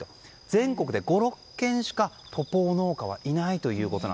全国で５６件しかポポー農家はいないと。